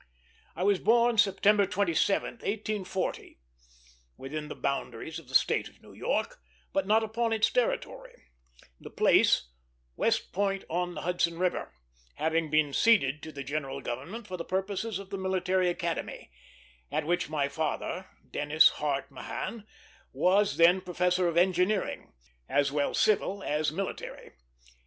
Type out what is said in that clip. I was born September 27, 1840, within the boundaries of the State of New York, but not upon its territory; the place, West Point on the Hudson River, having been ceded to the General Government for the purposes of the Military Academy, at which my father, Dennis Hart Mahan, was then Professor of Engineering, as well Civil as Military.